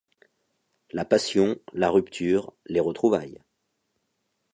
La passion, la rupture, les retrouvailles.